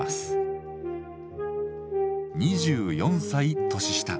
２４歳年下。